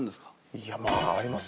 いやまあありますよ。